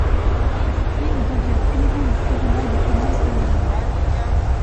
Puis il devient président du tribunal de commerce de la ville.